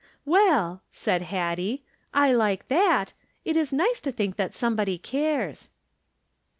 " Well," said Hattie, " I like that. It is nice to think that somebody cares."